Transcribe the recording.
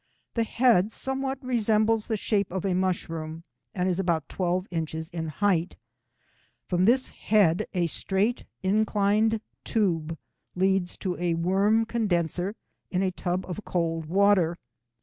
The head somewhat resembles the shape of a mushroom, and is about 12 inches in height. From this head a straight, inclined tube leads to a worm condenser in a tub of cold water.